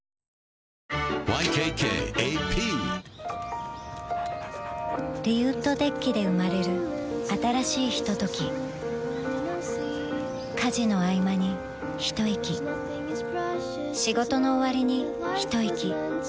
ＹＫＫＡＰリウッドデッキで生まれる新しいひととき家事のあいまにひといき仕事のおわりにひといき